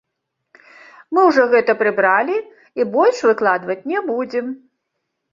Мы ўжо гэта прыбралі і больш выкладваць не будзем.